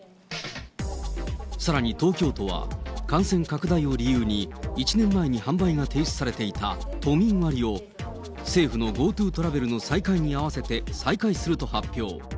さらに東京都は、感染拡大を理由に、１年前に販売が停止されていた都民割を、政府のＧｏＴｏトラベルの再開に合わせて、再開すると発表。